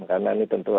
karena ini tentu